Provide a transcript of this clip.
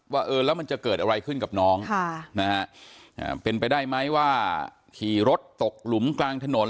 ว่าเออแล้วมันจะเกิดอะไรขึ้นกับน้องเป็นไปได้ไหมว่าขี่รถตกหลุมกลางถนน